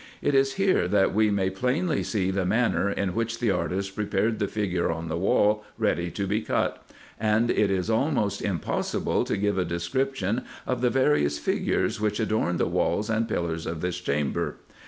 It is here that we may plainly see the manner, in which the artist prepared the figure on the wall ready to be cut ; and it is almost impossible to give a description of the various figures, which adorn the walls and pillars of this chamber.